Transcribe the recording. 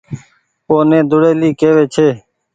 اوني ۮوڙيلي ڪيوي ڇي